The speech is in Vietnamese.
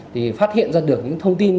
thì phát hiện ra được những thông tin